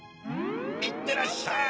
いってらっしゃい！